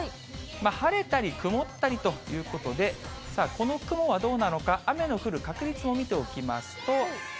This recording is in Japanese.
晴れたり曇ったりということで、さあ、この雲はどうなのか、雨の降る確率も見ておきますと。